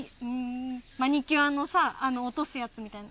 マニキュアの落とすやつみたいな